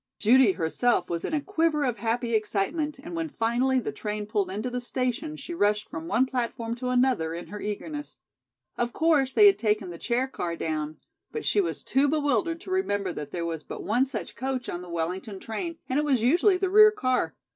Judy herself was in a quiver of happy excitement and when finally the train pulled into the station, she rushed from one platform to another in her eagerness. Of course they had taken the chair car down, but she was too bewildered to remember that there was but one such coach on the Wellington train, and it was usually the rear car.